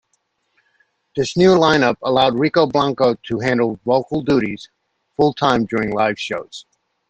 This new line-up allowed Rico Blanco to handle vocal duties full-time during live shows.